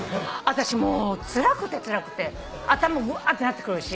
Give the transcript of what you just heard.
私もうつらくてつらくて頭ワーッてなってくるし。